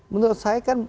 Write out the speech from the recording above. menurut saya kan